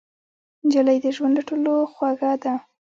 نجلۍ د ژوند له ټولو خوږه ده.